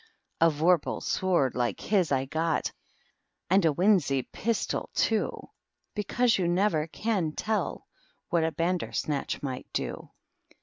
A vorpal sword like his I got. And a winxy pistol toOy Because you nefver can tell what A Bandersnatch might do.